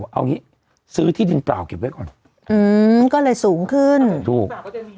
เอางี้ซื้อที่ดินเปล่าเก็บไว้ก่อนอืมก็เลยสูงขึ้นถูก